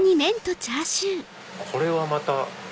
これはまた。